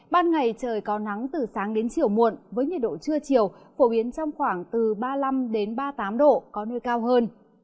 ban ngày trời có nắng từ sáng đến chiều muộn với nhiệt độ trưa chiều phổ biến trong khoảng từ ba mươi năm ba mươi tám độ có nơi cao hơn